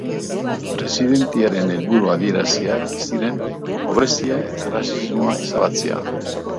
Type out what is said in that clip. Presidentearen helburu adieraziak ziren pobrezia eta arrazismoa ezabatzea.